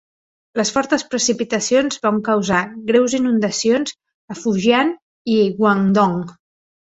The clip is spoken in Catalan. Les fortes precipitacions van causar greus inundacions a Fujian i Guangdong.